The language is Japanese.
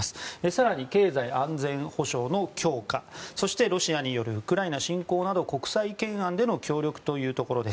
更に経済安全保障の強化そしてロシアによるウクライナ侵攻など国際懸案での協力というところ。